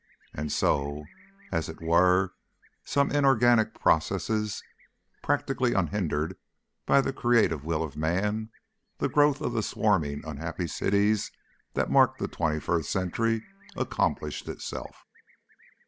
And so, as if it were some inorganic process, practically unhindered by the creative will of man, the growth of the swarming unhappy cities that mark the twenty first century accomplished itself.